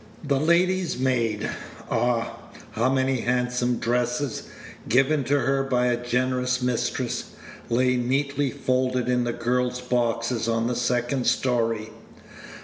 The lady's maid ah! how many handsome dresses, given to her by a generous mistress, lay neatly folded in the girl's boxes on the second story!